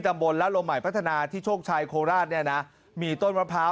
ตำบลละลมใหม่พัฒนาที่โชคชัยโคราชเนี่ยนะมีต้นมะพร้าว